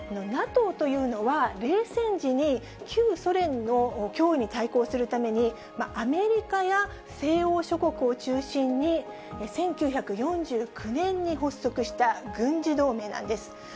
ＮＡＴＯというのは、冷戦時に旧ソ連の脅威に対抗するために、アメリカや西欧諸国を中心に、１９４９年に発足した軍事同盟なんです。